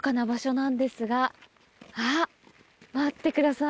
あっ待ってください。